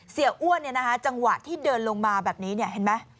อ้วนจังหวะที่เดินลงมาแบบนี้เห็นไหม